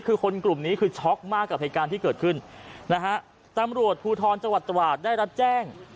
คือคนกลุ่มนี้คือช็อกมากกับเหตุการณ์ที่เกิดขึ้นนะฮะตำรวจภูทรจังหวัดตราดได้รับแจ้ง